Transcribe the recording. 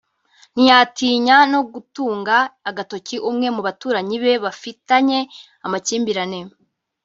ntiyatinya no gutunga agatoki umwe mu baturanyi be bafitanye amakimbirane